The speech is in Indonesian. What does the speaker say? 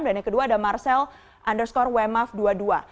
dan yang kedua ada marcel underscore wemaf dua dua